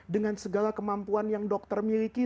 dengan segala kemampuan yang dokter miliki